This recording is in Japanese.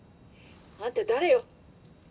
あんた誰よ。